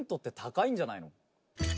いいんじゃない？